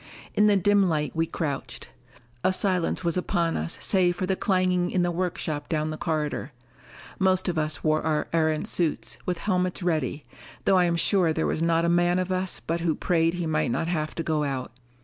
In the dim light we crouched. A silence was upon us save for the clanging in the workshop down the corridor. Most of us wore our Erentz suits, with helmets ready, though I am sure there was not a man of us but who prayed he might not have to go out.